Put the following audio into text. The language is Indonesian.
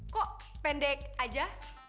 kok pendek aja